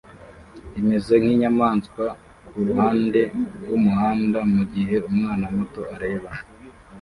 imeze nkinyamaswa kuruhande rwumuhanda mugihe umwana muto areba